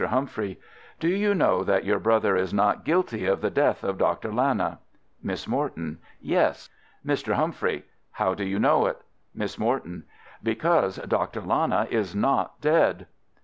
Humphrey: Do you know that your brother is not guilty of the death of Doctor Lana? Miss Morton: Yes. Mr. Humphrey: How do you know it? Miss Morton: Because Dr. Lana is not dead.